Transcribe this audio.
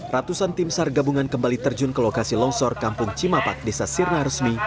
ratusan tim sar gabungan kembali terjun ke lokasi longsor kampung cimapak desa sirna resmi